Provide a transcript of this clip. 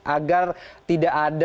agar tidak ada